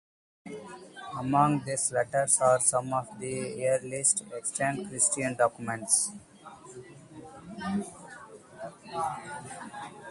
Among these letters are some of the earliest extant Christian documents.